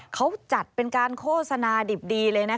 เขาจัดเป็นการโฆษณาดิบดีเลยนะคะ